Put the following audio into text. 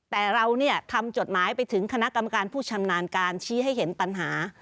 แต่เราทำจดหมายไปถึงคณะกรรมการผู้ชำนาญการชี้ให้เห็นปัญหา